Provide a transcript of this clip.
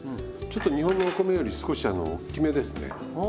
ちょっと日本のお米より少しおっきめですね。